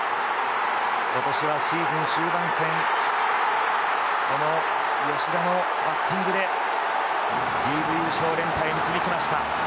今年はシーズン終盤戦この吉田のバッティングでリーグ優勝、連覇へ導きました。